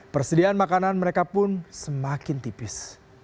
persediaan makanan mereka pun semakin tipis